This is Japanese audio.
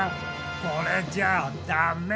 これじゃあダメ！